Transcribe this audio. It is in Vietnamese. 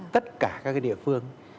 tất cả các địa phương